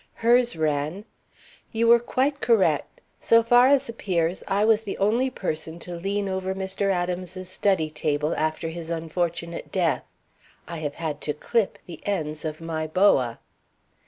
Hers ran: You were quite correct. So far as appears, I was the only person to lean over Mr. Adams's study table after his unfortunate death. I have had to clip the ends of my boa.